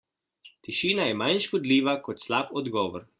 Tišina je manj škodljiva kot slab odgovor.